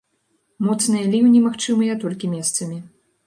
Моцныя ліўні магчымыя толькі месцамі.